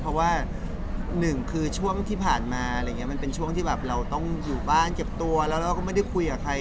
เพราะว่าหนึ่งคือช่วงที่ผ่านมามันเป็นช่วงที่เราต้องอยู่บ้านเก็บตัวแล้วก็ไม่ได้คุยกับใคร